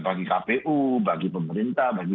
bagi kpu bagi pemerintah bagi